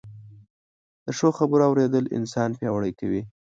د ښو خبرو اورېدل انسان پياوړی کوي